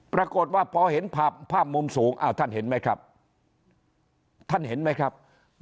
ปรากฏว่าพอเห็นภาพภาพมุมสูงท่านเห็นไหมครับท่านเห็นไหมครับ